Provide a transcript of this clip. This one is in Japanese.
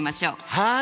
はい！